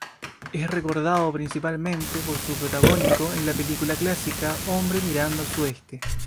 Es recordado principalmente por su protagónico en la película clásica "Hombre mirando al sudeste".